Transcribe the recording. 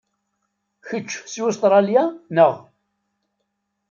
Kečč si Ustṛalya, neɣ?